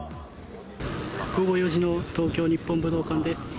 午後４時の東京・日本武道館です。